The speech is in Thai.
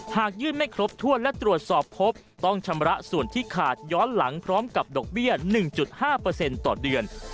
หากยื่นไม่ครบถ้วนและตรวจสอบพบต้องชำระส่วนที่ขาดย้อนหลังพร้อมกับดอกเบี้ย๑๕ต่อเดือน